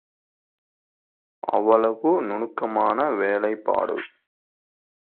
அவ்வளவு நுணுக்கமான வேலைப்பாடு.